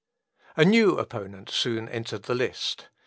A new opponent soon entered the list.